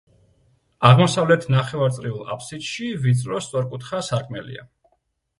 აღმოსავლეთ ნახევარწრიულ აფსიდში ვიწრო სწორკუთხა სარკმელია.